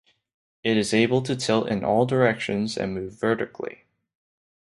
It is able to tilt in all directions and move vertically.